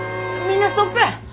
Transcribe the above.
みんなストップ！